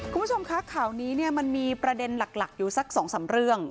คุณผู้ชมคะข่าวนี้เนี้ยมันมีประเด็นหลักหลักอยู่สักสองสามเรื่อง